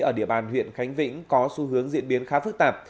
ở địa bàn huyện khánh vĩnh có xu hướng diễn biến khá phức tạp